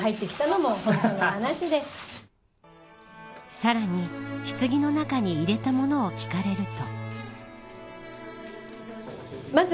さらに、ひつぎの中に入れたものを聞かれると。